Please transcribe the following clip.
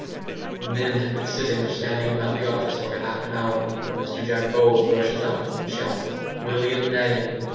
The men have been sitting or standing about the office for half an hour when Mr Jack Bowles rushes out, and shouts "William May!"